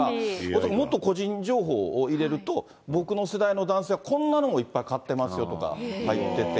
恐らく、もっと個人情報を入れると、僕の世代の男性、こんなのをいっぱい買ってますよとか入ってて。